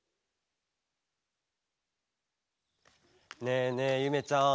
ねえねえゆめちゃん